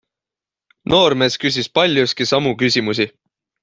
Noormees küsis paljuski samu küsimusi.